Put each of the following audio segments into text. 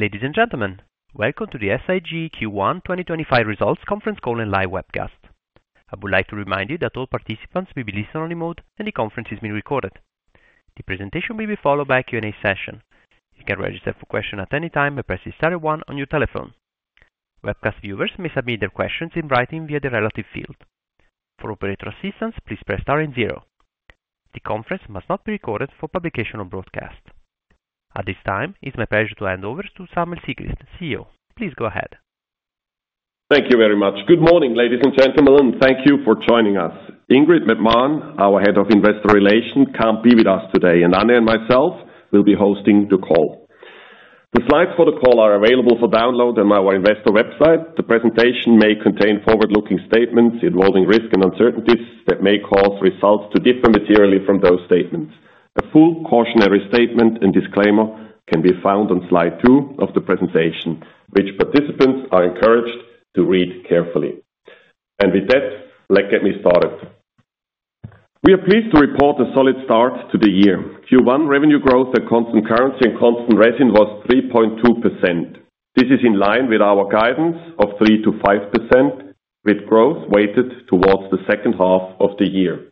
Ladies and gentlemen, welcome to the SIG Q1 2025 Results Conference Call and Live Webcast. I would like to remind you that all participants will be listen-only mode, and the conference is being recorded. The presentation will be followed by a Q&A session. You can register for questions at any time and press star one your telephone. Webcast viewers may submit their questions in writing via the relevant field. For operator assistance, please press star zero. The conference must not be recorded for publication or broadcast. At this time, it's my pleasure to hand over to Samuel Sigrist, CEO. Please go ahead. Thank you very much. Good morning, ladies and gentlemen, and thank you for joining us. Ingrid McMahon, our Head of Investor Relations, cannot be with us today, and Annie and myself will be hosting the call. The slides for the call are available for download on our investor website. The presentation may contain forward-looking statements involving risk and uncertainties that may cause results to differ materially from those statements. A full cautionary statement and disclaimer can be found on slide two of the presentation, which participants are encouraged to read carefully. With that, let me get started. We are pleased to report a solid start to the year. Q1 revenue growth at constant currency and constant resin was 3.2%. This is in line with our guidance of 3%-5% with growth weighted towards the second half of the year.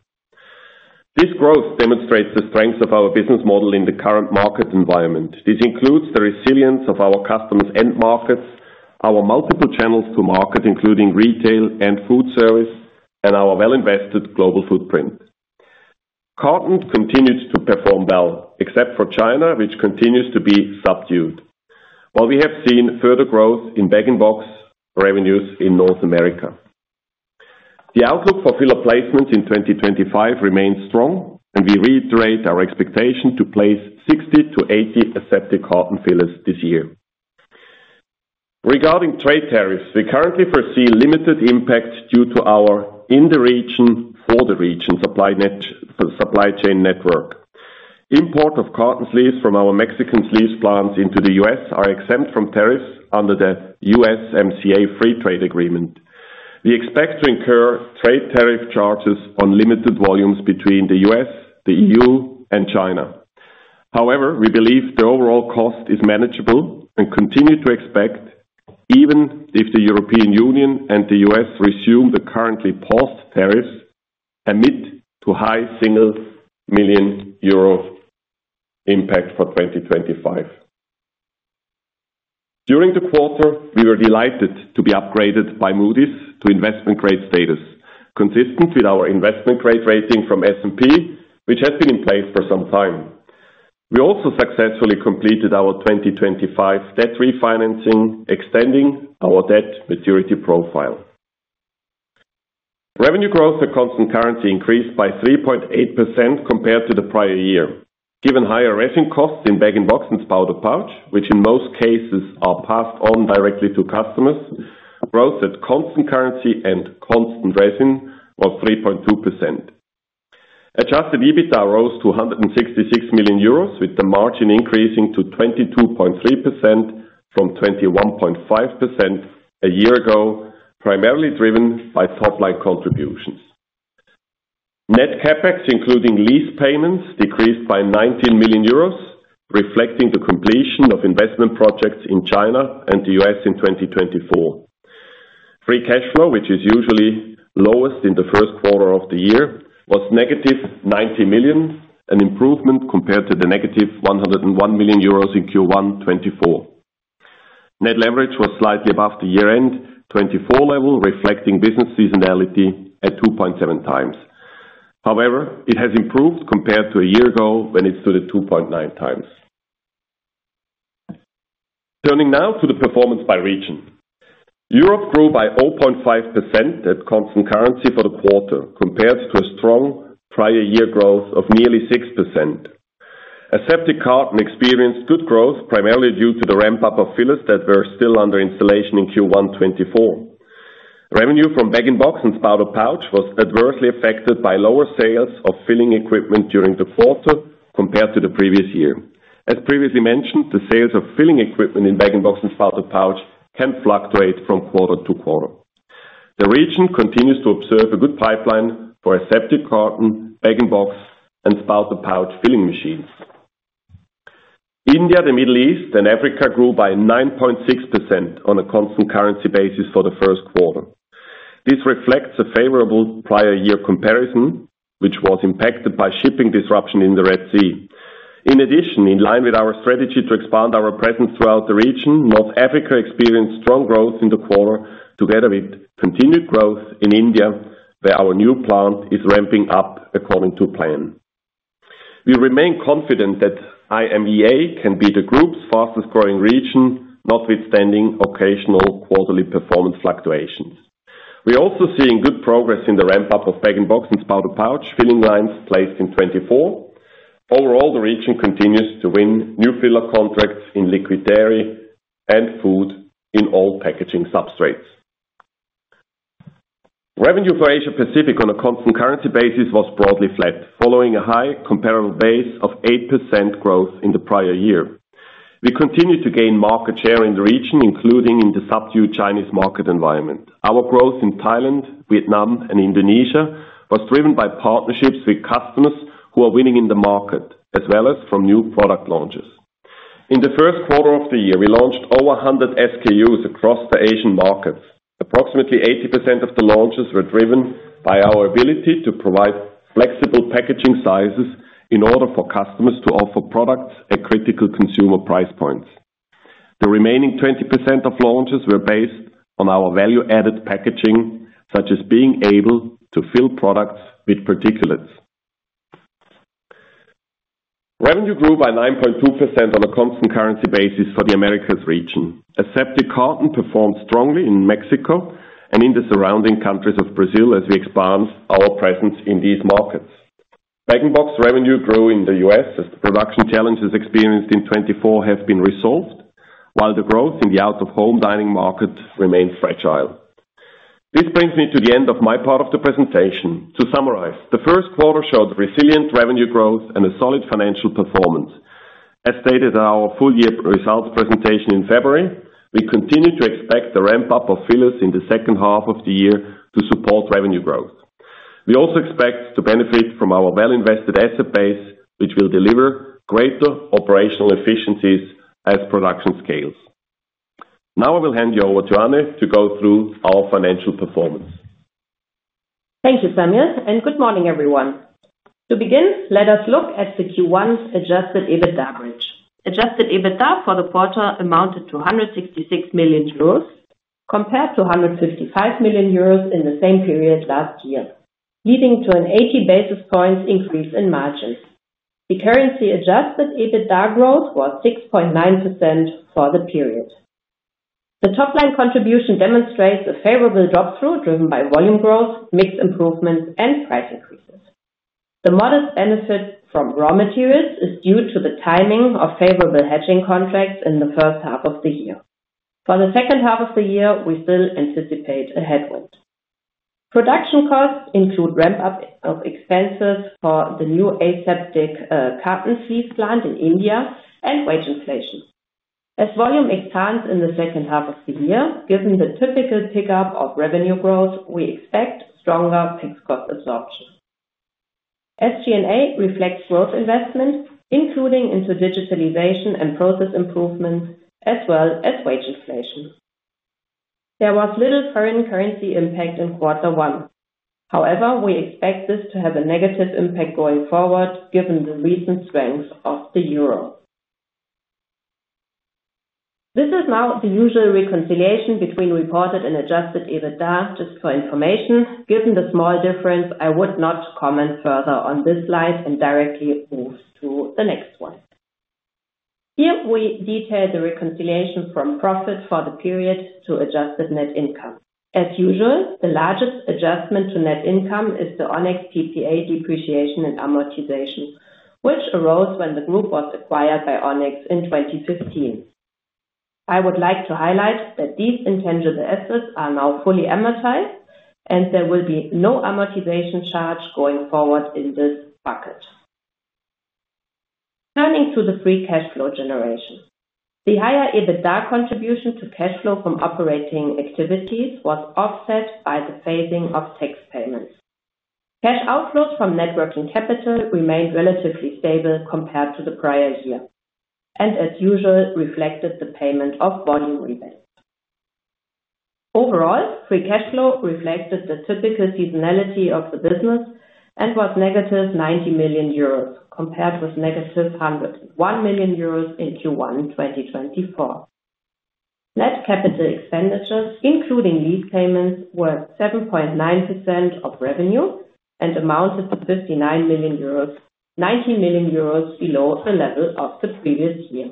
This growth demonstrates the strength of our business model in the current market environment. This includes the resilience of our customers and markets, our multiple channels to market, including retail and food service, and our well-invested global footprint. Carton continues to perform well, except for China, which continues to be subdued, while we have seen further growth in bag-in-box revenues in North America. The outlook for filler placements in 2025 remains strong, and we reiterate our expectation to place 60-80 aseptic carton fillers this year. Regarding trade tariffs, we currently foresee limited impact due to our in-the-region, for-the-region supply chain network. Import of carton sleeves from our Mexican sleeves plants into the U.S. are exempt from tariffs under the USMCA Free Trade Agreement. We expect to incur trade tariff charges on limited volumes between the U.S., the E.U., and China. However, we believe the overall cost is manageable and continue to expect, even if the European Union and the U.S. resume the currently paused tariffs, a mid to high single million euro impact for 2025. During the quarter, we were delighted to be upgraded by Moody's to investment grade status, consistent with our investment grade rating from S&P, which has been in place for some time. We also successfully completed our 2025 debt refinancing, extending our debt maturity profile. Revenue growth at constant currency increased by 3.8% compared to the prior year. Given higher resin costs in bag-in-box and spouted pouch, which in most cases are passed on directly to customers, growth at constant currency and constant resin was 3.2%. Adjusted EBITDA rose to 166 million euros, with the margin increasing to 22.3% from 21.5% a year ago, primarily driven by top-line contributions. Net CapEx, including lease payments, decreased by 19 million euros, reflecting the completion of investment projects in China and the U.S. in 2024. Free cash flow, which is usually lowest in the first quarter of the year, was -90 million, an improvement compared to the -101 million euros in Q1 2024. Net leverage was slightly above the year-end 2024 level, reflecting business seasonality at 2.7x. However, it has improved compared to a year ago when it stood at 2.9x. Turning now to the performance by region, Europe grew by 0.5% at constant currency for the quarter, compared to a strong prior year growth of nearly 6%. Aseptic carton experienced good growth, primarily due to the ramp-up of fillers that were still under installation in Q1 2024. Revenue from bag-in-box and spouted pouch was adversely affected by lower sales of filling equipment during the quarter compared to the previous year. As previously mentioned, the sales of filling equipment in bag-in-box and spouted pouch can fluctuate from quarter to quarter. The region continues to observe a good pipeline for aseptic carton, bag-in-box, and spouted pouch filling machines. India, the Middle East, and Africa grew by 9.6% on a constant currency basis for the first quarter. This reflects a favorable prior year comparison, which was impacted by shipping disruption in the Red Sea. In addition, in line with our strategy to expand our presence throughout the region, North Africa experienced strong growth in the quarter, together with continued growth in India, where our new plant is ramping up according to plan. We remain confident that IMEA can be the group's fastest-growing region, notwithstanding occasional quarterly performance fluctuations. We are also seeing good progress in the ramp-up of bag-in-box and spouted pouch filling lines placed in 2024. Overall, the region continues to win new filler contracts in liquid dairy and food in all packaging substrates. Revenue for Asia-Pacific on a constant currency basis was broadly flat, following a high comparable base of 8% growth in the prior year. We continue to gain market share in the region, including in the subdued Chinese market environment. Our growth in Thailand, Vietnam, and Indonesia was driven by partnerships with customers who are winning in the market, as well as from new product launches. In the first quarter of the year, we launched over 100 SKUs across the Asian markets. Approximately 80% of the launches were driven by our ability to provide flexible packaging sizes in order for customers to offer products at critical consumer price points. The remaining 20% of launches were based on our value-added packaging, such as being able to fill products with particulates. Revenue grew by 9.2% on a constant currency basis for the Americas region. Aseptic carton performed strongly in Mexico and in the surrounding countries of Brazil as we expand our presence in these markets. Bag-in-box revenue grew in the U.S. as the production challenges experienced in 2024 have been resolved, while the growth in the out-of-home dining market remained fragile. This brings me to the end of my part of the presentation. To summarize, the first quarter showed resilient revenue growth and a solid financial performance. As stated in our full-year results presentation in February, we continue to expect the ramp-up of fillers in the second half of the year to support revenue growth. We also expect to benefit from our well-invested asset base, which will deliver greater operational efficiencies as production scales. Now I will hand you over to Ann to go through our financial performance. Thank you, Samuel, and good morning, everyone. To begin, let us look at the Q1's adjusted EBITDA range. Adjusted EBITDA for the quarter amounted to 166 million euros, compared to 155 million euros in the same period last year, leading to an 80 basis points increase in margins. The currency adjusted EBITDA growth was 6.9% for the period. The top-line contribution demonstrates a favorable drop-through driven by volume growth, mix improvements, and price increases. The modest benefit from raw materials is due to the timing of favorable hedging contracts in the first half of the year. For the second half of the year, we still anticipate a headwind. Production costs include ramp-up of expenses for the new aseptic carton sleeve plant in India and wage inflation. As volume expands in the second half of the year, given the typical pickup of revenue growth, we expect stronger fixed cost absorption. SG&A reflects growth investment, including into digitalization and process improvements, as well as wage inflation. There was little foreign currency impact in quarter one. However, we expect this to have a negative impact going forward, given the recent strength of the euro. This is now the usual reconciliation between reported and adjusted EBITDA, just for information. Given the small difference, I would not comment further on this slide and directly move to the next one. Here we detail the reconciliation from profit for the period to adjusted net income. As usual, the largest adjustment to net income is the Onex PPA depreciation and amortization, which arose when the group was acquired by Onex in 2015. I would like to highlight that these intangible assets are now fully amortized, and there will be no amortization charge going forward in this bucket. Turning to the free cash flow generation, the higher EBITDA contribution to cash flow from operating activities was offset by the phasing of tax payments. Cash outflows from net working capital remained relatively stable compared to the prior year, and as usual, reflected the payment of volume rebates. Overall, free cash flow reflected the typical seasonality of the business and was -90 million euros, compared with -101 million euros in Q1 2024. Net capital expenditures, including lease payments, were 7.9% of revenue and amounted to 59 million euros, 19 million euros below the level of the previous year.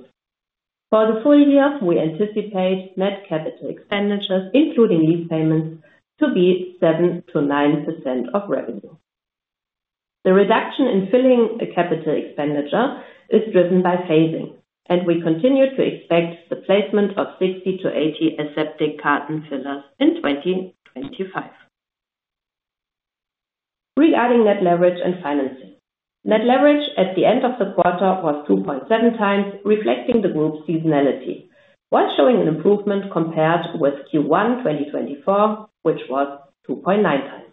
For the full year, we anticipate net capital expenditures, including lease payments, to be 7%-9% of revenue. The reduction in filling capital expenditure is driven by phasing, and we continue to expect the placement of 60-80 aseptic carton fillers in 2025. Regarding net leverage and financing, net leverage at the end of the quarter was 2.7x, reflecting the group's seasonality, while showing an improvement compared with Q1 2024, which was 2.9x.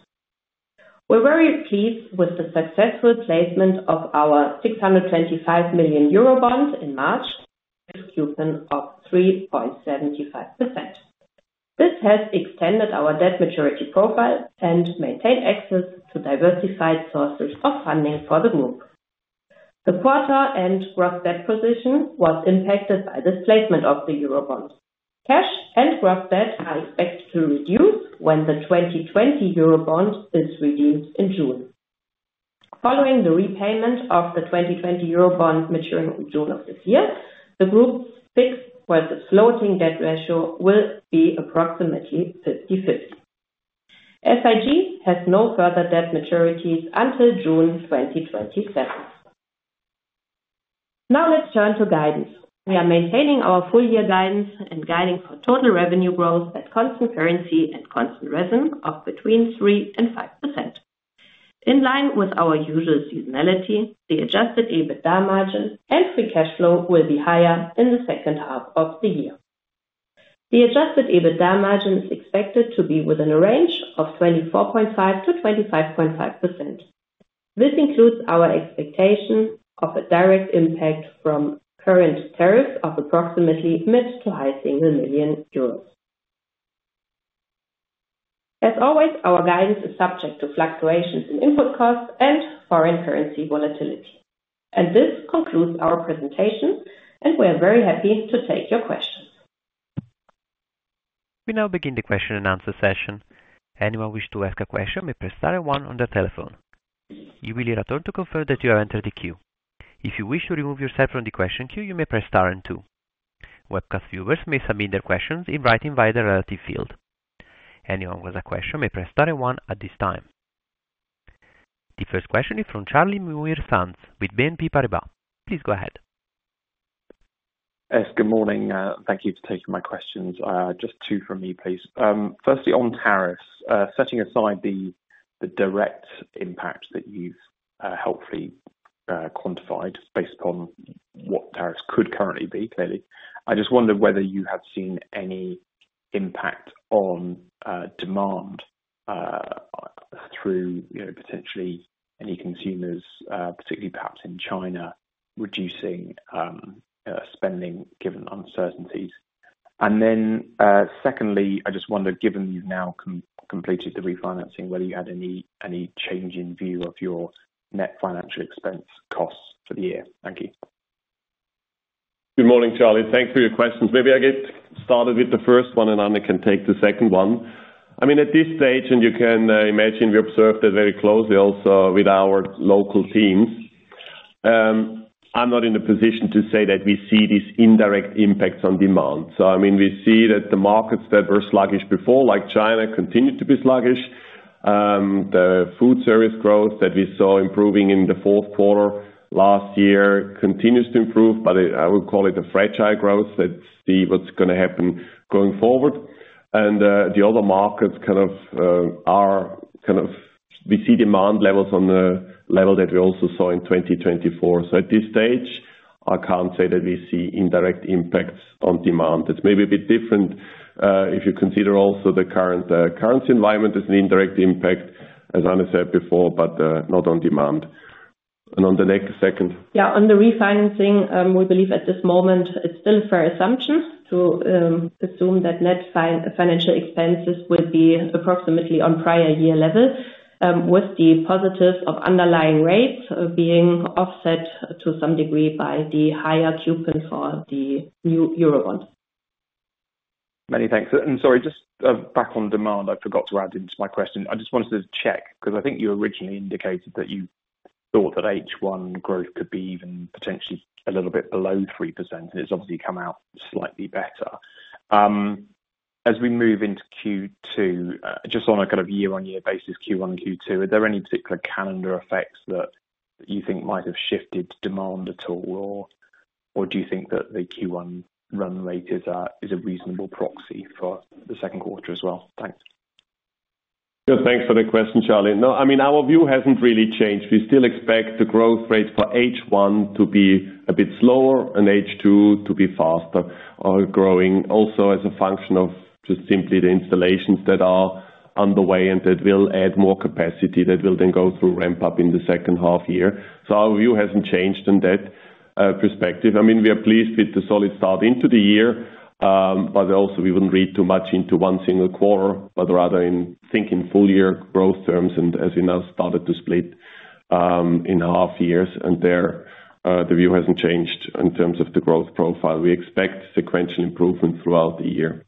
We're very pleased with the successful placement of our 625 million euro bond in March, with a coupon of 3.75%. This has extended our debt maturity profile and maintained access to diversified sources of funding for the group. The quarter-end gross debt position was impacted by this placement of the euro bond. Cash and gross debt are expected to reduce when the 2020 euro bond is redeemed in June. Following the repayment of the 2020 euro bond maturing in June of this year, the group's fixed versus floating debt ratio will be approximately 50/50. SIG has no further debt maturities until June 2027. Now let's turn to guidance. We are maintaining our full-year guidance and guiding for total revenue growth at constant currency and constant resin of between 3% and 5%. In line with our usual seasonality, the adjusted EBITDA margin and free cash flow will be higher in the second half of the year. The adjusted EBITDA margin is expected to be within a range of 24.5%-25.5%. This includes our expectation of a direct impact from current tariffs of approximately mid to high single million euro. As always, our guidance is subject to fluctuations in input costs and foreign currency volatility. This concludes our presentation, and we are very happy to take your questions. We now begin the question and answer session. Anyone wishing to ask a question may press star one on their telephone. You will hear a tone to confirm that you have entered the queue. If you wish to remove yourself from the question queue, you may press star two. Webcast viewers may submit their questions in writing via the relative field. Anyone who has a question may press star one at this time. The first question is from Charlie Muir-Sands with BNP Paribas. Please go ahead. Yes, good morning. Thank you for taking my questions. Just two from me, please. Firstly, on tariffs, setting aside the direct impact that you've helpfully quantified based upon what tariffs could currently be, clearly, I just wonder whether you have seen any impact on demand through potentially any consumers, particularly perhaps in China, reducing spending given uncertainties? Secondly, I just wonder, given you've now completed the refinancing, whether you had any change in view of your net financial expense costs for the year? Thank you. Good morning, Charlie. Thanks for your questions. Maybe I get started with the first one, and Ann can take the second one. I mean, at this stage, and you can imagine we observed it very closely also with our local teams, I'm not in a position to say that we see these indirect impacts on demand. I mean, we see that the markets that were sluggish before, like China, continue to be sluggish. The food service growth that we saw improving in the fourth quarter last year continues to improve, but I would call it a fragile growth. Let's see what's going to happen going forward. The other markets kind of are kind of we see demand levels on the level that we also saw in 2024. At this stage, I can't say that we see indirect impacts on demand. It's maybe a bit different if you consider also the current currency environment as an indirect impact, as Annie said before, but not on demand. On the next second. Yeah, on the refinancing, we believe at this moment it's still a fair assumption to assume that net financial expenses will be approximately on prior year level, with the positives of underlying rates being offset to some degree by the higher coupon for the new euro bond. Many thanks. Sorry, just back on demand, I forgot to add into my question. I just wanted to check because I think you originally indicated that you thought that H1 growth could be even potentially a little bit below 3%, and it has obviously come out slightly better. As we move into Q2, just on a kind of year-on-year basis, Q1 and Q2, are there any particular calendar effects that you think might have shifted demand at all, or do you think that the Q1 run rate is a reasonable proxy for the second quarter as well? Thanks. Good. Thanks for the question, Charlie. No, I mean, our view has not really changed. We still expect the growth rate for H1 to be a bit slower and H2 to be faster, growing also as a function of just simply the installations that are underway and that will add more capacity that will then go through ramp-up in the second half year. Our view has not changed in that perspective. I mean, we are pleased with the solid start into the year, but also we would not read too much into one single quarter, but rather in thinking full-year growth terms and as we now started to split in half years. There, the view has not changed in terms of the growth profile. We expect sequential improvement throughout the year.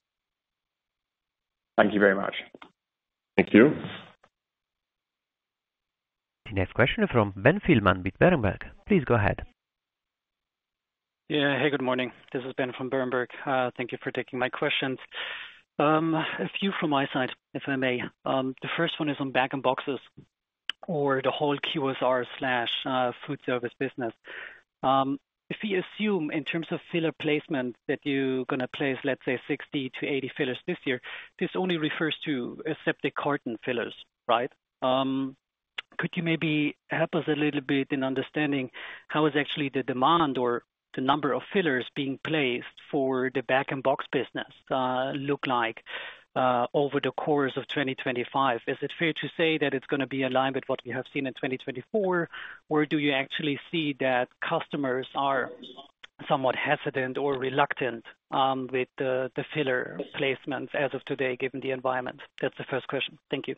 Thank you very much. Thank you. Next question is from Ben Thielmann with Berenberg. Please go ahead. Yeah, hey, good morning. This is Ben from Berenberg. Thank you for taking my questions. A few from my side, if I may. The first one is on bag-in-boxes or the whole QSR/food service business. If we assume in terms of filler placement that you're going to place, let's say, 60-80 fillers this year, this only refers to aseptic carton fillers, right? Could you maybe help us a little bit in understanding how is actually the demand or the number of fillers being placed for the bag-in-box business look like over the course of 2025? Is it fair to say that it's going to be in line with what we have seen in 2024, or do you actually see that customers are somewhat hesitant or reluctant with the filler placements as of today given the environment? That's the first question. Thank you.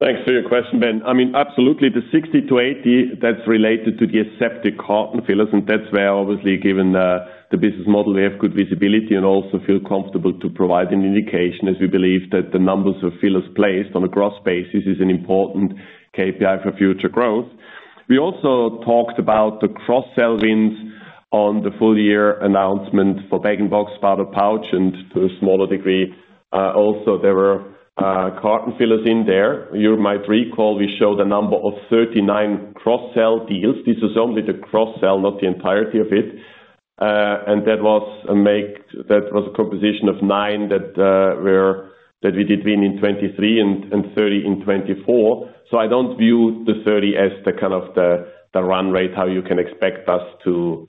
Thanks for your question, Ben. I mean, absolutely, the 60-80, that's related to the aseptic carton fillers, and that's where obviously, given the business model, we have good visibility and also feel comfortable to provide an indication as we believe that the numbers of fillers placed on a gross basis is an important KPI for future growth. We also talked about the cross-sell wins on the full-year announcement for bag-in-box, spouted pouch, and to a smaller degree, also there were carton fillers in there. You might recall we showed a number of 39 cross-sell deals. This is only the cross-sell, not the entirety of it. That was a composition of nine that we did win in 2023 and 30 in 2024. I do not view the 30 as the kind of the run rate how you can expect us to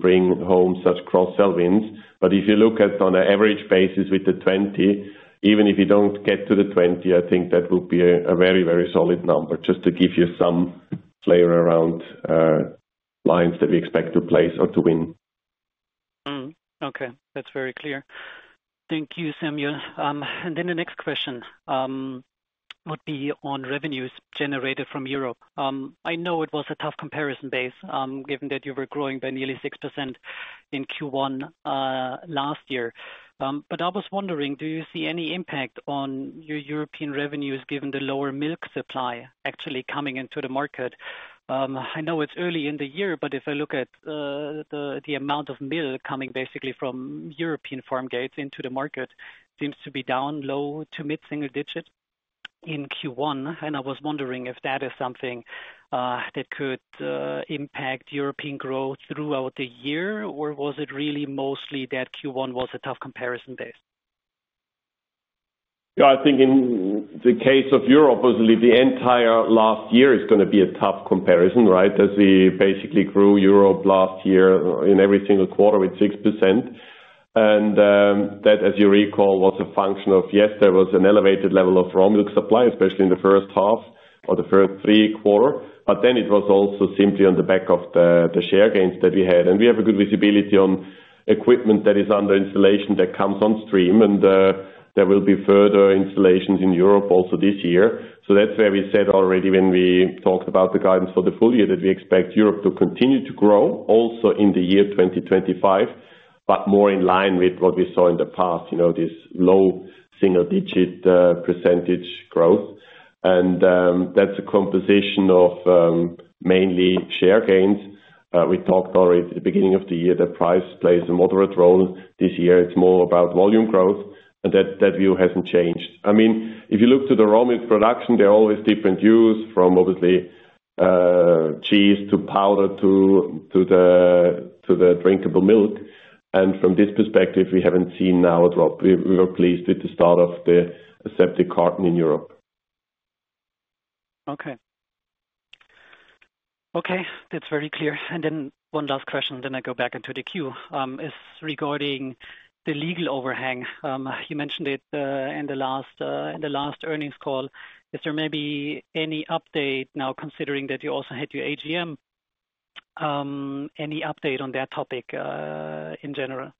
bring home such cross-sell wins. If you look at on an average basis with the 20, even if you do not get to the 20, I think that would be a very, very solid number, just to give you some flavor around lines that we expect to place or to win. Okay, that's very clear. Thank you, Samuel. The next question would be on revenues generated from Europe. I know it was a tough comparison base given that you were growing by nearly 6% in Q1 last year. I was wondering, do you see any impact on your European revenues given the lower milk supply actually coming into the market? I know it's early in the year, but if I look at the amount of milk coming basically from European farm gates into the market, it seems to be down low to mid-single digit in Q1. I was wondering if that is something that could impact European growth throughout the year, or was it really mostly that Q1 was a tough comparison base? Yeah, I think in the case of Europe, obviously, the entire last year is going to be a tough comparison, right? As we basically grew Europe last year in every single quarter with 6%. That, as you recall, was a function of, yes, there was an elevated level of raw milk supply, especially in the first half or the first three quarters. It was also simply on the back of the share gains that we had. We have a good visibility on equipment that is under installation that comes on stream, and there will be further installations in Europe also this year. That's where we said already when we talked about the guidance for the full year that we expect Europe to continue to grow also in the year 2025, but more in line with what we saw in the past, you know, this low single-digit percentage growth. That's a composition of mainly share gains. We talked already at the beginning of the year that price plays a moderate role. This year, it's more about volume growth, and that view hasn't changed. I mean, if you look to the raw milk production, there are always different views from obviously cheese to powder to the drinkable milk. From this perspective, we haven't seen now a drop. We were pleased with the start of the aseptic carton in Europe. Okay. Okay, that's very clear. One last question, then I go back into the queue. It's regarding the legal overhang. You mentioned it in the last earnings call. Is there maybe any update now, considering that you also had your AGM? Any update on that topic in general?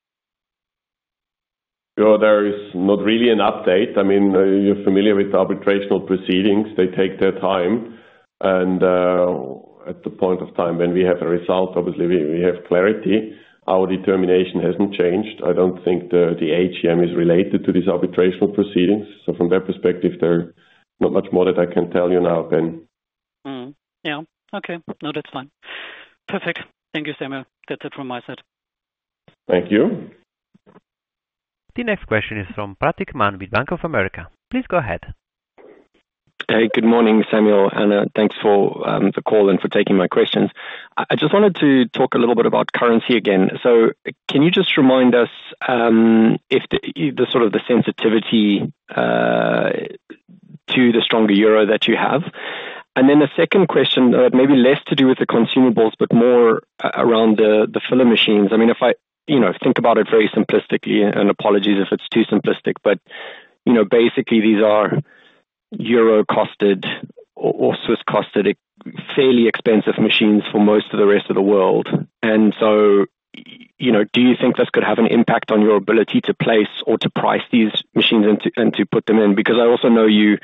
There is not really an update. I mean, you're familiar with arbitrational proceedings. They take their time. At the point of time when we have a result, obviously, we have clarity. Our determination hasn't changed. I don't think the AGM is related to these arbitrational proceedings. From that perspective, there's not much more that I can tell you now, Ben. Yeah. Okay. No, that's fine. Perfect. Thank you, Samuel. That's it from my side. Thank you. The next question is from Pratik Manvi with Bank of America. Please go ahead. Hey, good morning, Samuel. Thanks for the call and for taking my questions. I just wanted to talk a little bit about currency again. Can you just remind us of the sort of the sensitivity to the stronger euro that you have? The second question, maybe less to do with the consumables, but more around the filler machines. I mean, if I think about it very simplistically, and apologies if it's too simplistic, but basically, these are euro-costed or Swiss-costed, fairly expensive machines for most of the rest of the world. Do you think this could have an impact on your ability to place or to price these machines and to put them in? I also know you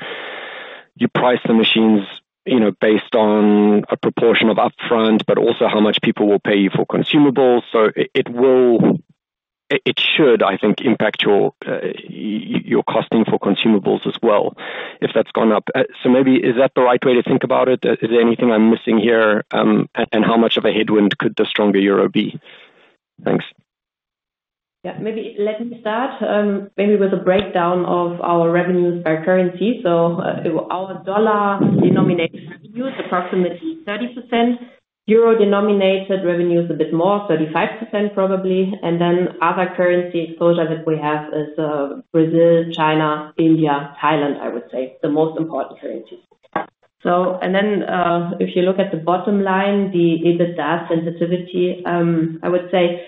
price the machines based on a proportion of upfront, but also how much people will pay you for consumables. It should, I think, impact your costing for consumables as well if that's gone up. Maybe, is that the right way to think about it? Is there anything I'm missing here? How much of a headwind could the stronger euro be? Thanks. Yeah, maybe let me start maybe with a breakdown of our revenues by currency. Our dollar-denominated revenue is approximately 30%. Euro-denominated revenue is a bit more, 35% probably. Other currency exposure that we have is Brazil, China, India, Thailand, I would say, the most important currencies. If you look at the bottom line, the EBITDA sensitivity, I would say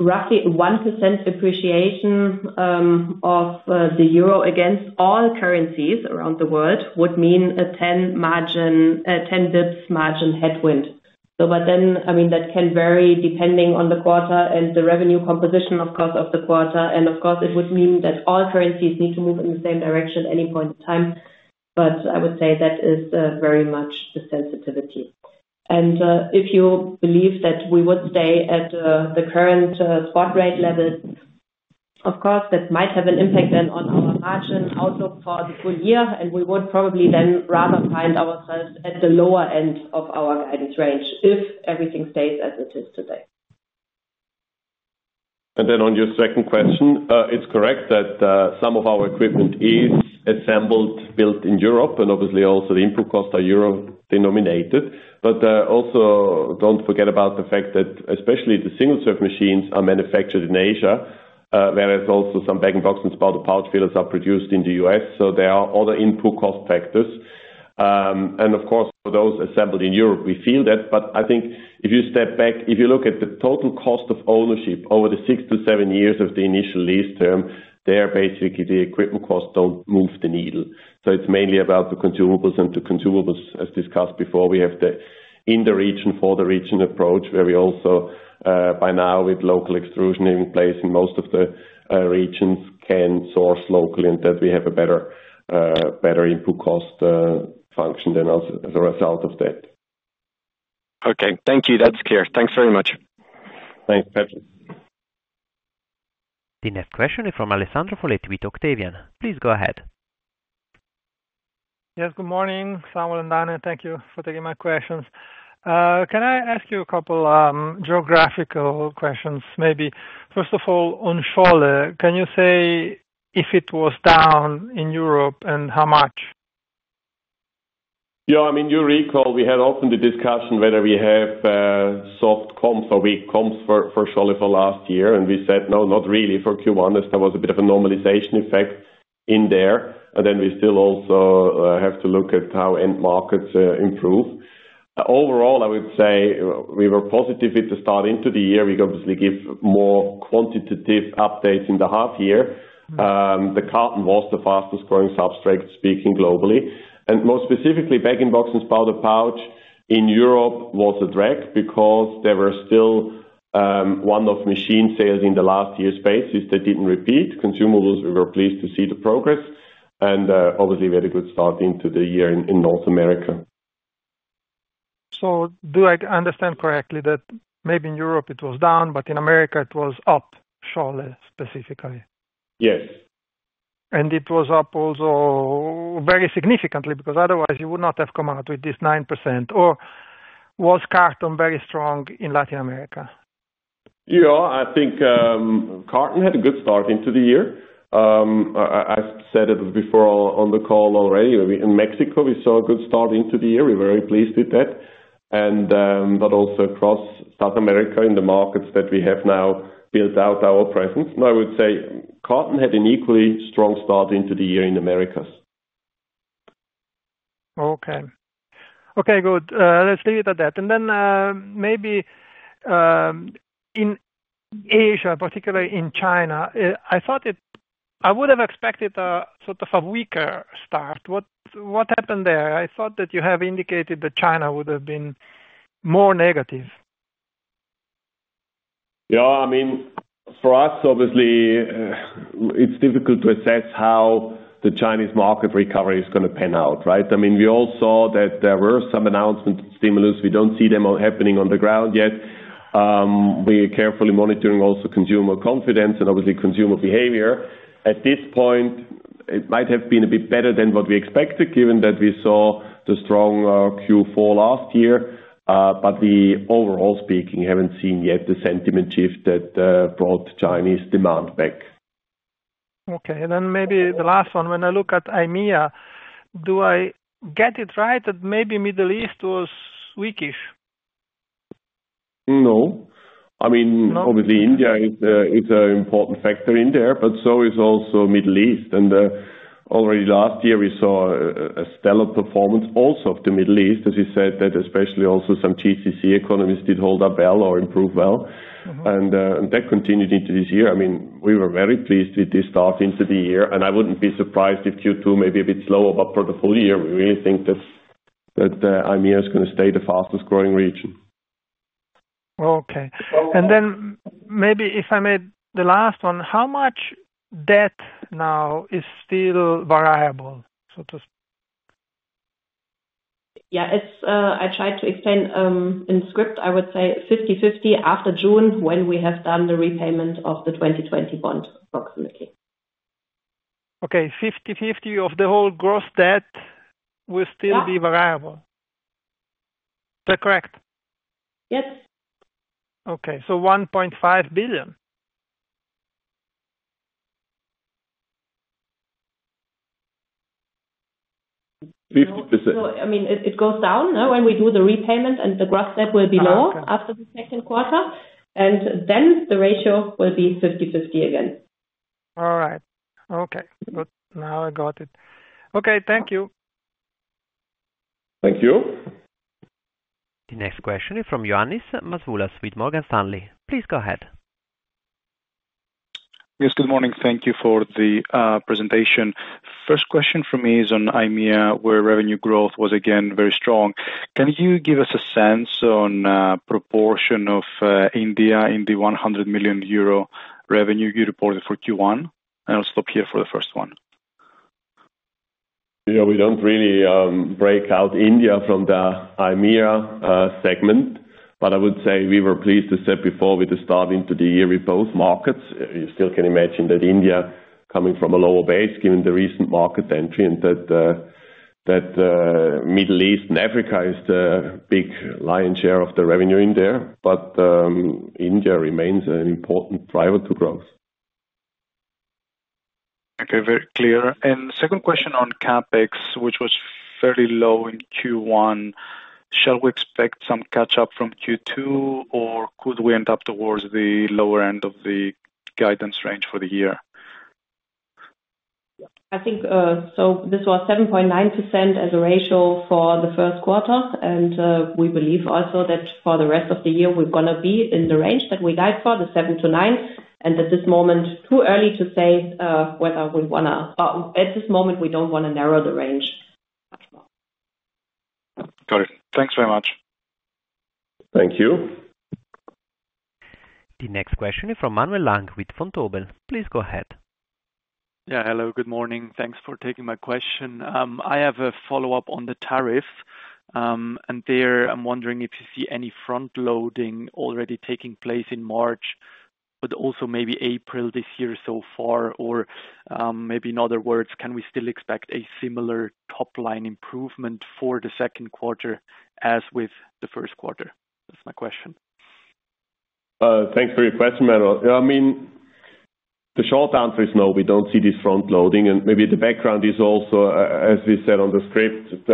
roughly 1% appreciation of the euro against all currencies around the world would mean a 10 basis points margin headwind. I mean, that can vary depending on the quarter and the revenue composition, of course, of the quarter. Of course, it would mean that all currencies need to move in the same direction at any point in time. I would say that is very much the sensitivity. If you believe that we would stay at the current spot rate levels, of course, that might have an impact then on our margin outlook for the full year. We would probably then rather find ourselves at the lower end of our guidance range if everything stays as it is today. On your second question, it's correct that some of our equipment is assembled, built in Europe, and obviously also the input costs are euro-denominated. Also, don't forget about the fact that especially the single-serve machines are manufactured in Asia, whereas also some bag-in-box and spouted pouch fillers are produced in the U.S. There are other input cost factors. Of course, for those assembled in Europe, we feel that. I think if you step back, if you look at the total cost of ownership over the 6 years-7 years of the initial lease term, there basically the equipment costs don't move the needle. It's mainly about the consumables. The consumables, as discussed before, we have the in-the-region, for-the-region approach, where we also, by now, with local extrusion in place in most of the regions, can source locally and that we have a better input cost function then as a result of that. Okay. Thank you. That's clear. Thanks very much. Thanks, Pratik. The next question is from Alessandro Foletti with Octavian. Please go ahead. Yes, good morning, Samuel and Ann. Thank you for taking my questions. Can I ask you a couple of geographical questions? Maybe first of all, on shale, can you say if it was down in Europe and how much? Yeah, I mean, you recall we had often the discussion whether we have soft comps or weak comps for share for last year. We said, no, not really for Q1, as there was a bit of a normalization effect in there. We still also have to look at how end markets improve. Overall, I would say we were positive at the start into the year. We obviously give more quantitative updates in the half year. The carton was the fastest-growing substrate, speaking globally. More specifically, bag-in-box and spouted pouch in Europe was a drag because there were still one-off machine sales in last year's basis that did not repeat. Consumables, we were pleased to see the progress. We had a good start into the year in North America. Do I understand correctly that maybe in Europe it was down, but in America it was up, shale specifically? Yes. It was up also very significantly because otherwise you would not have come out with this 9%. Or was corton very strong in Latin America? Yeah, I think carton had a good start into the year. I said it before on the call already. In Mexico, we saw a good start into the year. We're very pleased with that. That also across South America in the markets that we have now built out our presence. I would say carton had an equally strong start into the year in the Americas. Okay. Okay, good. Let's leave it at that. Maybe in Asia, particularly in China, I thought I would have expected sort of a weaker start. What happened there? I thought that you have indicated that China would have been more negative? Yeah, I mean, for us, obviously, it's difficult to assess how the Chinese market recovery is going to pan out, right? I mean, we all saw that there were some announcement stimulus. We don't see them happening on the ground yet. We are carefully monitoring also consumer confidence and obviously consumer behavior. At this point, it might have been a bit better than what we expected given that we saw the strong Q4 last year. Overall speaking, haven't seen yet the sentiment shift that brought Chinese demand back. Okay. And then maybe the last one, when I look at IMEA, do I get it right that maybe the Middle East was weakish? No. I mean, obviously, India is an important factor in there, but so is also the Middle East. Already last year, we saw a stellar performance also of the Middle East, as you said, that especially also some GCC economies did hold up well or improve well. That continued into this year. I mean, we were very pleased with this start into the year. I wouldn't be surprised if Q2 may be a bit slower, but for the full year, we really think that IMEA is going to stay the fastest-growing region. Okay. Maybe if I may, the last one, how much debt now is still variable, so to speak? Yeah, I tried to explain in script, I would say 50/50 after June when we have done the repayment of the 2020 bond approximately. Okay, 50/50 of the whole gross debt will still be variable. Is that correct? Yes. Okay. $1.5 billion? 50%. I mean, it goes down when we do the repayment, and the gross debt will be lower after the second quarter. Then the ratio will be 50/50 again. All right. Okay. Now I got it. Okay, thank you. Thank you. The next question is from Ioannis Masvoulas with Morgan Stanley. Please go ahead. Yes, good morning. Thank you for the presentation. First question for me is on IMEA, where revenue growth was again very strong. Can you give us a sense on the proportion of India in the 100 million euro revenue you reported for Q1? And I'll stop here for the first one. Yeah, we do not really break out India from the IMEA segment. I would say we were pleased, as said before, with the start into the year with both markets. You still can imagine that India coming from a lower base given the recent market entry and that the Middle East and Africa is the big lion's share of the revenue in there. India remains an important driver to growth. Okay, very clear. Second question on CapEx, which was fairly low in Q1. Shall we expect some catch-up from Q2, or could we end up towards the lower end of the guidance range for the year? I think so this was 7.9% as a ratio for the first quarter. We believe also that for the rest of the year, we're going to be in the range that we guide for, the 7%-9%. At this moment, too early to say whether we want to, at this moment, we don't want to narrow the range much more. Got it. Thanks very much. Thank you. The next question is from Manuel Lang with Vontobel. Please go ahead. Yeah, hello, good morning. Thanks for taking my question. I have a follow-up on the tariffs. I am wondering if you see any front-loading already taking place in March, but also maybe April this year so far, or maybe in other words, can we still expect a similar top-line improvement for the second quarter as with the first quarter? That's my question. Thanks for your question, Manuel. Yeah, I mean, the short answer is no, we don't see this front-loading. Maybe the background is also, as we said on the script,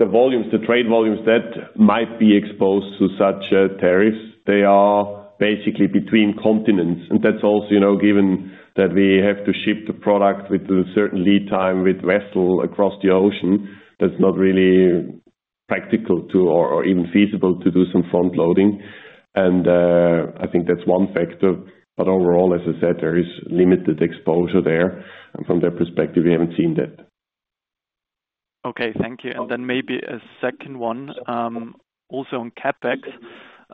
the volumes, the trade volumes that might be exposed to such tariffs, they are basically between continents. That is also given that we have to ship the product with a certain lead time with vessel across the ocean. That is not really practical or even feasible to do some front-loading. I think that is one factor. Overall, as I said, there is limited exposure there. From that perspective, we haven't seen that. Okay, thank you. Maybe a second one, also on CapEx,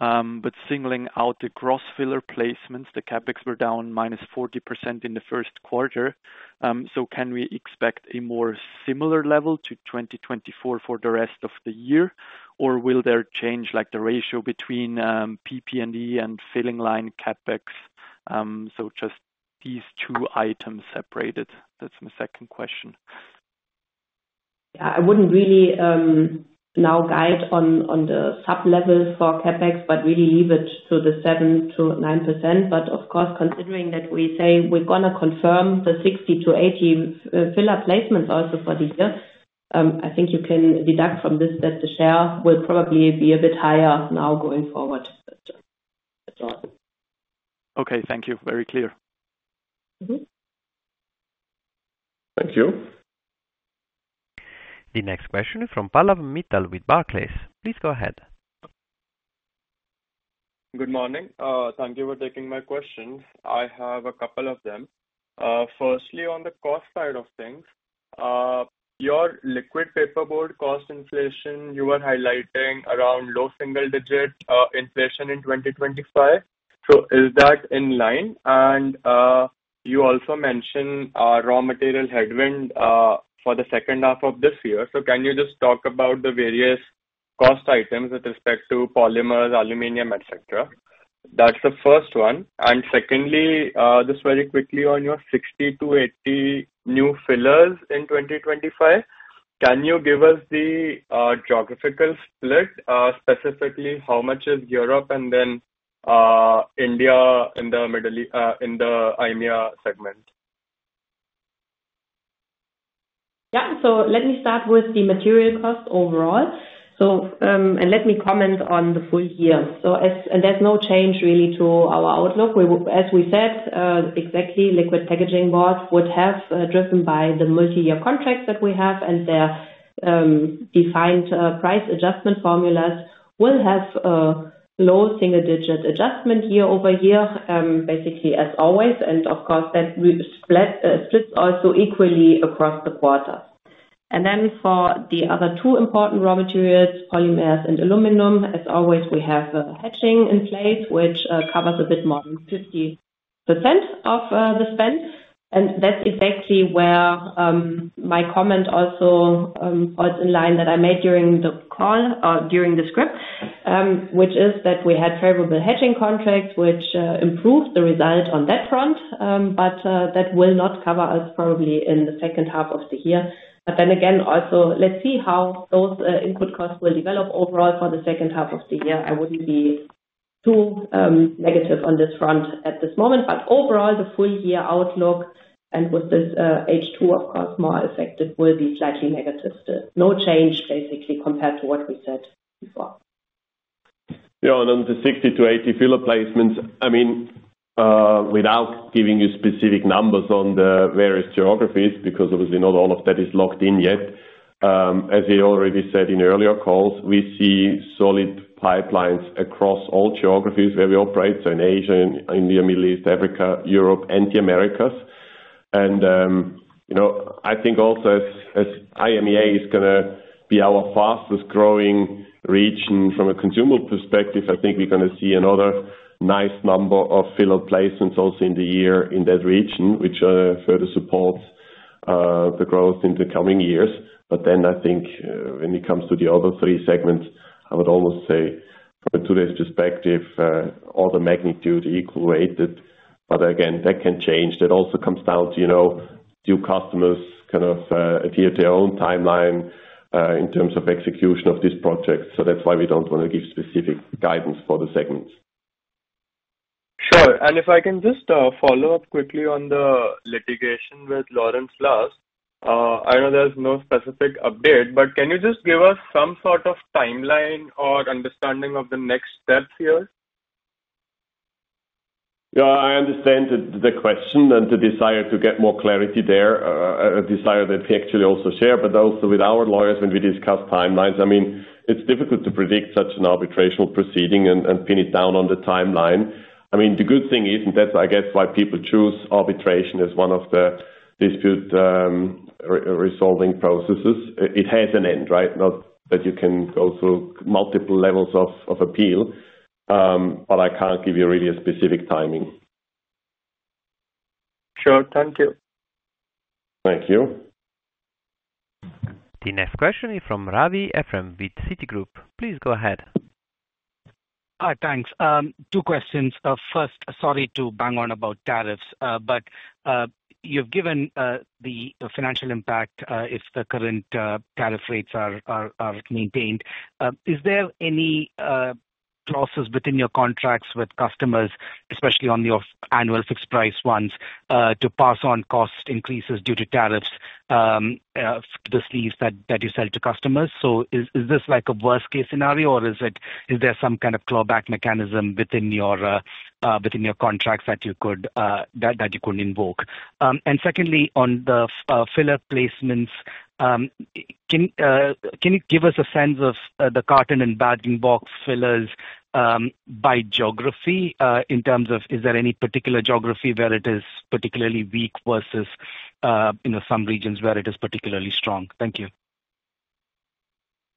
but singling out the gross filler placements, the CapEx were down -40% in the first quarter. Can we expect a more similar level to 2024 for the rest of the year, or will there change the ratio between PP&E and filling line CapEx? Just these two items separated. That's my second question. Yeah, I would not really now guide on the sub-levels for CapEx, but really leave it to the 7%-9%. Of course, considering that we say we are going to confirm the 60-80 filler placements also for the year, I think you can deduct from this that the share will probably be a bit higher now going forward. Okay, thank you. Very clear. Thank you. The next question is from Pallav Mittal with Barclays. Please go ahead. Good morning. Thank you for taking my questions. I have a couple of them. Firstly, on the cost side of things, your liquid paperboard cost inflation, you were highlighting around low single-digit inflation in 2025. Is that in line? You also mentioned raw material headwind for the second half of this year. Can you just talk about the various cost items with respect to polymers, aluminum, etc.? That's the first one. Secondly, just very quickly on your 60-80 new fillers in 2025, can you give us the geographical split, specifically how much is Europe and then India in the IMEA segment? Yeah. Let me start with the material cost overall. Let me comment on the full year. There is no change really to our outlook. As we said, exactly, liquid packaging board would have, driven by the multi-year contracts that we have, and the defined price adjustment formulas, will have low single-digit adjustment year-over-year, basically as always. That splits also equally across the quarter. For the other two important raw materials, polymers and aluminum, as always, we have a hedging in place, which covers a bit more than 50% of the spend. That is exactly where my comment also falls in line that I made during the call or during the script, which is that we had favorable hedging contracts, which improved the result on that front. That will not cover us probably in the second half of the year. Then again, also let's see how those input costs will develop overall for the second half of the year. I wouldn't be too negative on this front at this moment. Overall, the full year outlook, and with this H2, of course, more affected, will be slightly negative still. No change, basically, compared to what we said before. Yeah, and on the 60-80 filler placements, I mean, without giving you specific numbers on the various geographies, because obviously not all of that is locked in yet. As we already said in earlier calls, we see solid pipelines across all geographies where we operate. In Asia, India, Middle East, Africa, Europe, and the Americas. I think also as IMEA is going to be our fastest-growing region from a consumer perspective, I think we're going to see another nice number of filler placements also in the year in that region, which further supports the growth in the coming years. I think when it comes to the other three segments, I would almost say from a two-day perspective, all the magnitude equal weighted. Again, that can change. That also comes down to do customers kind of adhere to their own timeline in terms of execution of this project. That is why we do not want to give specific guidance for the segments. Sure. If I can just follow up quickly on the litigation with Laurens Last, I know there's no specific update, but can you just give us some sort of timeline or understanding of the next steps here? Yeah, I understand the question and the desire to get more clarity there, a desire that we actually also share. Also with our lawyers, when we discuss timelines, I mean, it's difficult to predict such an arbitration proceeding and pin it down on the timeline. I mean, the good thing is, and that's, I guess, why people choose arbitration as one of the dispute-resolving processes. It has an end, right? Not that you can go through multiple levels of appeal. I can't give you really a specific timing. Sure. Thank you. Thank you. The next question is from Ravi Ephrem with Citigroup. Please go ahead. Hi, thanks. Two questions. First, sorry to bang on about tariffs, but you've given the financial impact if the current tariff rates are maintained. Is there any clauses within your contracts with customers, especially on your annual fixed-price ones, to pass on cost increases due to tariffs to the sleeves that you sell to customers? Is this like a worst-case scenario, or is there some kind of clawback mechanism within your contracts that you could invoke? Secondly, on the filler placements, can you give us a sense of the carton and bag-in-box fillers by geography in terms of is there any particular geography where it is particularly weak versus some regions where it is particularly strong? Thank you.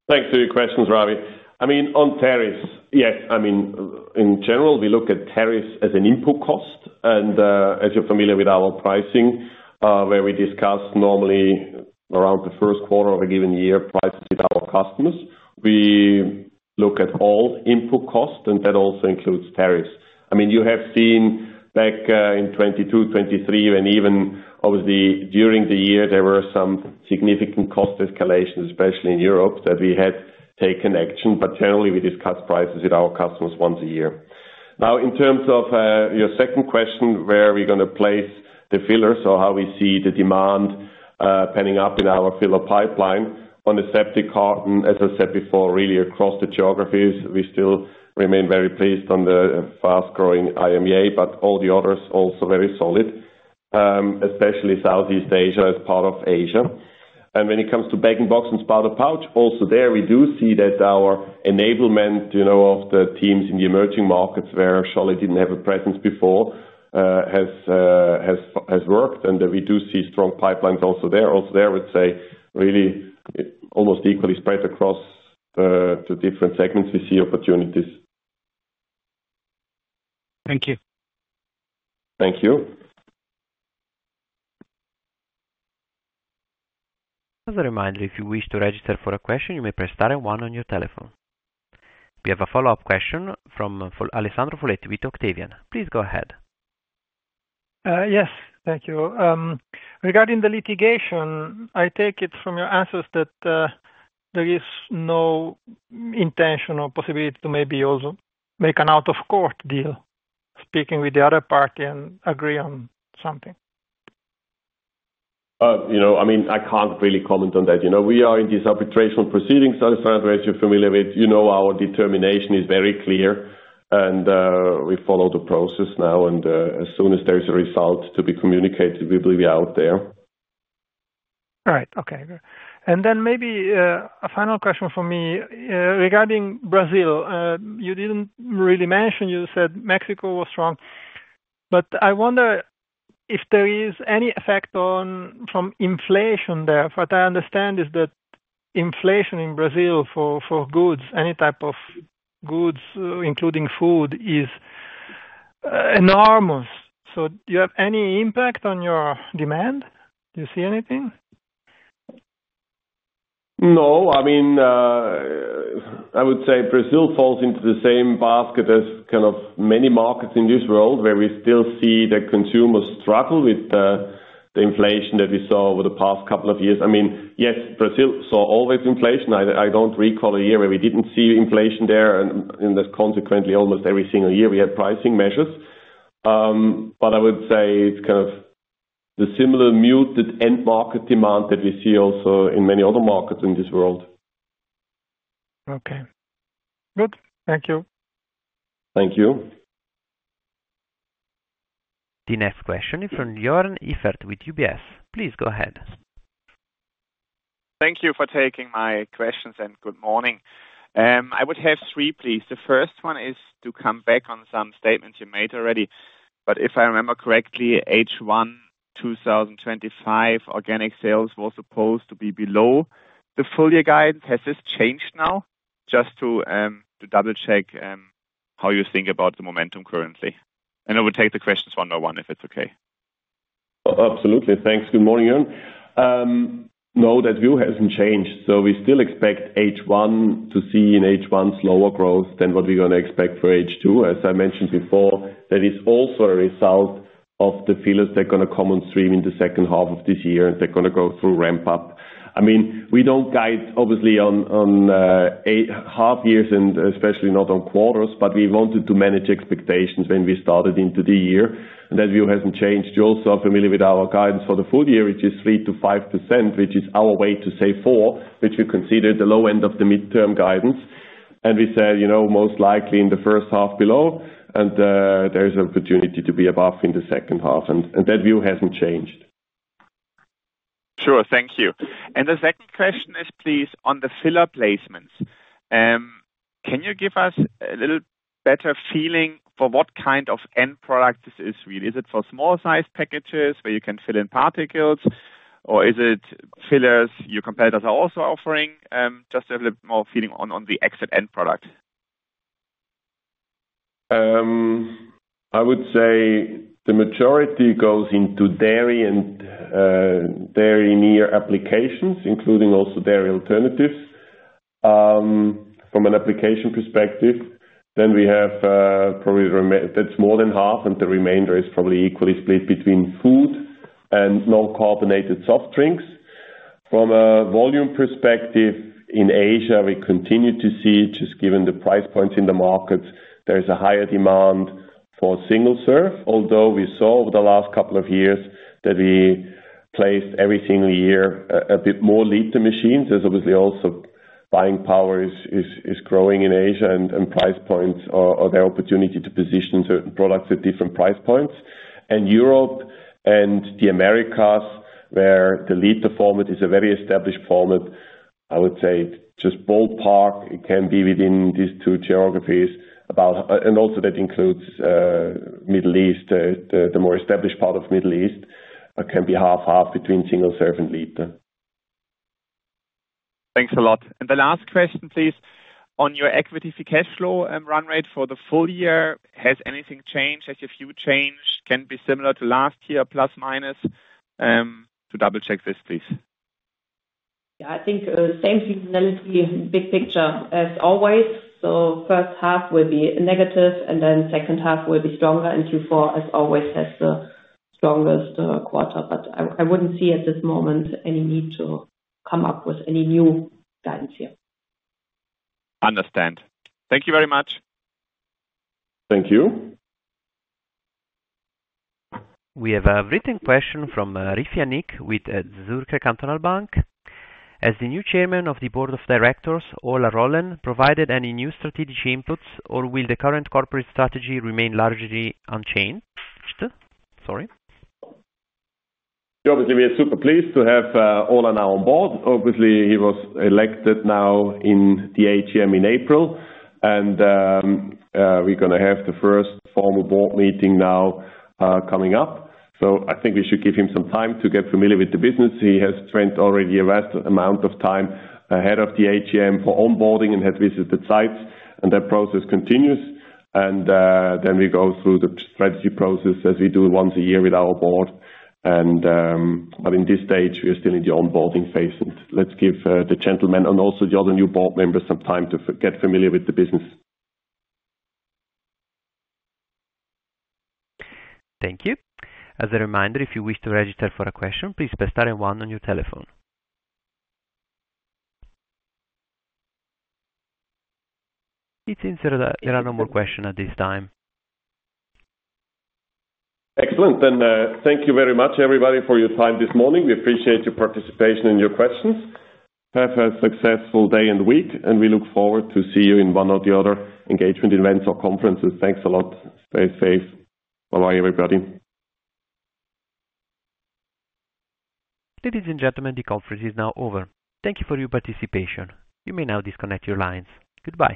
Thanks for your questions, Ravi. I mean, on tariffs, yes. I mean, in general, we look at tariffs as an input cost. And as you're familiar with our pricing, where we discuss normally around the first quarter of a given year prices with our customers, we look at all input costs, and that also includes tariffs. I mean, you have seen back in 2022, 2023, and even obviously during the year, there were some significant cost escalations, especially in Europe, that we had taken action. But generally, we discuss prices with our customers once a year. Now, in terms of your second question, where are we going to place the fillers or how we see the demand panning up in our filler pipeline on the aseptic carton, as I said before, really across the geographies, we still remain very pleased on the fast-growing IMEA, but all the others also very solid, especially Southeast Asia as part of Asia. When it comes to bag-in-box and spouted pouch, also there, we do see that our enablement of the teams in the emerging markets, where SIG did not have a presence before, has worked. We do see strong pipelines also there. Also there, I would say, really almost equally spread across the different segments, we see opportunities. Thank you. Thank you. As a reminder, if you wish to register for a question, you may press star and one on your telephone. We have a follow-up question from Alessandro Foletti with Octavian. Please go ahead. Yes, thank you. Regarding the litigation, I take it from your answers that there is no intention or possibility to maybe also make an out-of-court deal, speaking with the other party and agree on something. I mean, I can't really comment on that. We are in these arbitration proceedings, Alessandro, as you're familiar with. You know our determination is very clear. We follow the process now. As soon as there's a result to be communicated, we will be out there. All right. Okay. Maybe a final question for me regarding Brazil. You did not really mention, you said Mexico was strong. I wonder if there is any effect from inflation there. What I understand is that inflation in Brazil for goods, any type of goods, including food, is enormous. Do you have any impact on your demand? Do you see anything? No. I mean, I would say Brazil falls into the same basket as kind of many markets in this world where we still see the consumers struggle with the inflation that we saw over the past couple of years. I mean, yes, Brazil saw all this inflation. I do not recall a year where we did not see inflation there. And consequently, almost every single year, we had pricing measures. I would say it is kind of the similar muted end market demand that we see also in many other markets in this world. Okay. Good. Thank you. Thank you. The next question is from Jörn Iffert with UBS. Please go ahead. Thank you for taking my questions and good morning. I would have three, please. The first one is to come back on some statements you made already. If I remember correctly, H1 2025 organic sales were supposed to be below the full year guidance. Has this changed now? Just to double-check how you think about the momentum currently. I will take the questions one by one if it's okay. Absolutely. Thanks. Good morning, Jörn. No, that view hasn't changed. We still expect H1 to see an H1 slower growth than what we're going to expect for H2. As I mentioned before, that is also a result of the fillers that are going to come on stream in the second half of this year, and they're going to go through ramp-up. I mean, we don't guide, obviously, on half years and especially not on quarters, but we wanted to manage expectations when we started into the year. That view hasn't changed. You're also familiar with our guidance for the full year, which is 3%-5%, which is our way to say 4%, which we consider the low end of the midterm guidance. We said most likely in the first half below, and there is an opportunity to be above in the second half. That view hasn't changed. Sure. Thank you. The second question is, please, on the filler placements. Can you give us a little better feeling for what kind of end product this is really? Is it for small-sized packages where you can fill in particles, or is it fillers your competitors are also offering? Just to have a little more feeling on the exit end product. I would say the majority goes into dairy and dairy-near applications, including also dairy alternatives from an application perspective. Then we have probably that's more than half, and the remainder is probably equally split between food and non-carbonated soft drinks. From a volume perspective in Asia, we continue to see, just given the price points in the markets, there is a higher demand for single-serve, although we saw over the last couple of years that we placed every single year a bit more liter machines. There is obviously also buying power is growing in Asia, and price points or the opportunity to position certain products at different price points. In Europe and the Americas, where the liter format is a very established format, I would say just ballpark, it can be within these two geographies. That includes Middle East, the more established part of Middle East, can be half-half between single-serve and liter. Thanks a lot. The last question, please. On your equity-to-cash flow run rate for the full year, has anything changed? Has your view changed? Can it be similar to last year, plus-minus? To double-check this, please. Yeah, I think same seasonality, big picture as always. First half will be negative, and then second half will be stronger. Q4, as always, has the strongest quarter. I would not see at this moment any need to come up with any new guidance here. Understand. Thank you very much. Thank you. We have a written question from Riff Yannick with Zürcher Kantonalbank.Has the new Chairman of the Board of Directors, Ola Rollén, provided any new strategic inputs, or will the current corporate strategy remain largely unchanged? Sorry. Yeah, obviously, we are super pleased to have Ola now on board. Obviously, he was elected now in the AGM in April. We are going to have the first formal board meeting now coming up. I think we should give him some time to get familiar with the business. He has spent already a vast amount of time ahead of the AGM for onboarding and had visited sites. That process continues. We go through the strategy process as we do once a year with our board. In this stage, we are still in the onboarding phase. Let's give the gentleman and also the other new board members some time to get familiar with the business. Thank you. As a reminder, if you wish to register for a question, please press star and one on your telephone. It seems there are no more questions at this time. Excellent. Thank you very much, everybody, for your time this morning. We appreciate your participation and your questions. Have a successful day and week, and we look forward to seeing you in one or the other engagement events or conferences. Thanks a lot. Stay safe. Bye-bye, everybody. Ladies and gentlemen, the conference is now over. Thank you for your participation. You may now disconnect your lines. Goodbye.